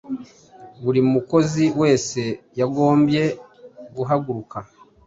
Buri mukozi wese yagombye guhaguruka